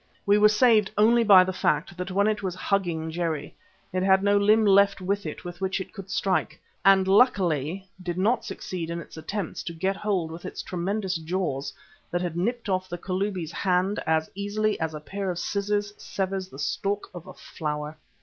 We were saved only by the fact that when it was hugging Jerry it had no limb left with which it could strike, and luckily did not succeed in its attempts to get hold with its tremendous jaws that had nipped off the Kalubi's hand as easily as a pair of scissors severs the stalk of a flower.